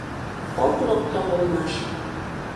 Ок локтыл улмаш.